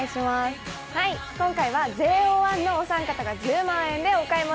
今回はＪＯ１のお三方が１０万円でお買い物。